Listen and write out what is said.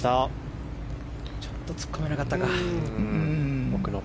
ちょっと突っ込めなかったか。